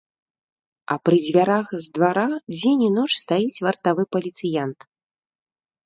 А пры дзвярах з двара дзень і ноч стаіць вартавы паліцыянт.